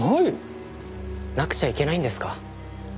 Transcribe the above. なくちゃいけないんですか？